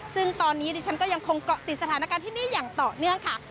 ซึ่งตอนนี้ดิฉันก็ยังคงเกาะติดสถานการณ์ที่นี่อย่างต่อเนื่องค่ะ